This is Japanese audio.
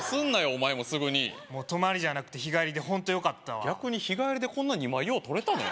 お前もすぐにもう泊まりじゃなくて日帰りでホントよかったわ逆に日帰りでこんな２枚よう撮れたね